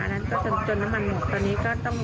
นั่นก็จนจนน้ำมันลงตอนนี้ก็ต้องส่งกำลังบำรุงค่ะ